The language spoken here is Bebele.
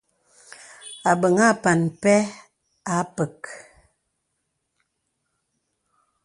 Àbə̀ŋ àpàn mpɛ̄ à pə̀k.